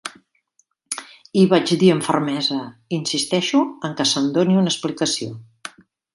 I –vaig dir amb fermesa– "insisteixo en un que se'm doni una explicació.